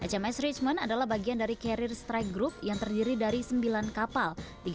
sms richment adalah bagian dari carrier strike group yang terdiri dari sembilan kapal